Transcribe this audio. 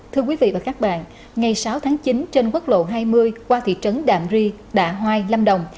thưa quý vị và các bạn ngày sáu tháng chín trên quốc lộ hai mươi qua thị trấn đạm ri đạ hoai lâm đồng